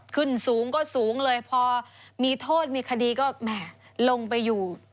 ขึ้นสูงก็สูงเลยพอมีโทษมีคดีก็แหม่ลงไปอยู่